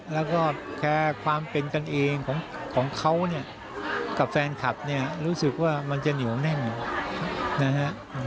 แล้วก็แค่ความเป็นกันเองของเขาเนี่ยกับแฟนคลับเนี่ยรู้สึกว่ามันจะเหนียวแน่นนะฮะ